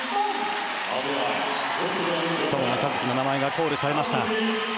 友野一希の名前がコールされました。